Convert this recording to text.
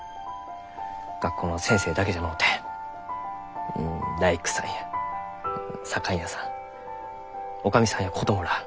学校の先生だけじゃのうてうん大工さんや左官屋さんおかみさんや子供らあ